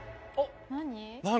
何？